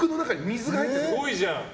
すごいじゃん！